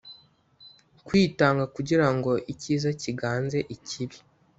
Kwitanga kugira ngo icyiza kiganze ikibi